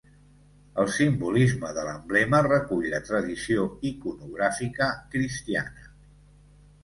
El simbolisme de l'emblema recull la tradició iconogràfica cristiana.